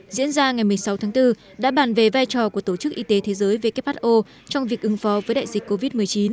diễn ra ngày một mươi sáu tháng bốn đã bàn về vai trò của tổ chức y tế thế giới who trong việc ứng phó với đại dịch covid một mươi chín